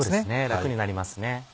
楽になりますね。